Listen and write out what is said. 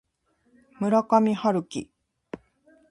村上春樹